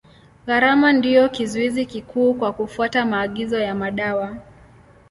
Gharama ndio kizuizi kikuu kwa kufuata maagizo ya madawa.